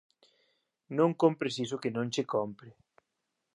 Non compres iso que non che cómpre.